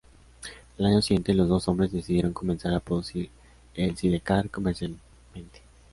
Al año siguiente, los dos hombres decidieron comenzar a producir el sidecar comercialmente.